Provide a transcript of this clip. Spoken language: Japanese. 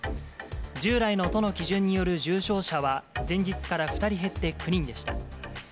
従来の都の基準による重症者は、前日から２人減って９人でした。